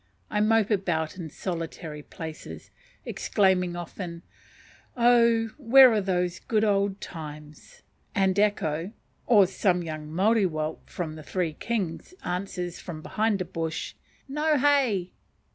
I mope about in solitary places, exclaiming often, "Oh! where are those good old times?" and echo, or some young Maori whelp from the Three Kings, answers from behind a bush, NO HEA.